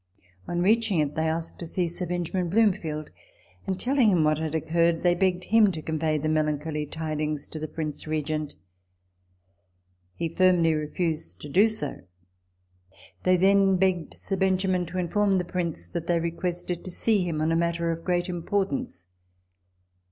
On reaching it, they asked to see Sir Benjamin Bloomfield ; and telling him what had occurred, they begged him to convey the melancholy tidings to the Prince Regent. He firmly refused to do so. They then begged Sir Benjamin to inform the Prince that they requested to see him on a matter of great importance.